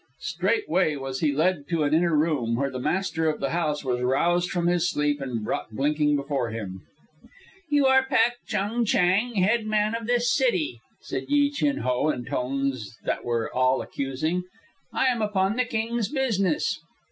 Straightway was he led to an inner room, where the master of the house was roused from his sleep and brought blinking before him. "You are Pak Chung Chang, head man of this city," said Yi Chin Ho in tones that were all accusing. "I am upon the King's business."